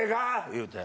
言うて。